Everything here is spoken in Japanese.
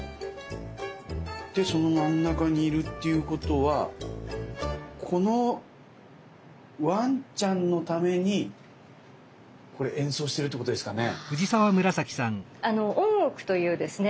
でその真ん中にいるっていうことはこのわんちゃんのためにこれ演奏してるってことですかね？